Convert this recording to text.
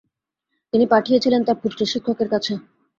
তিনি পাঠিয়েছিলেন তাঁর পুত্রের শিক্ষকের কাছে।